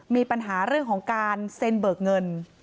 มีปัญหาเรื่องของการเซ็นเบิกเงิน